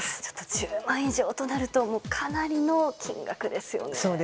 １０万円以上となるとかなりの金額ですよね。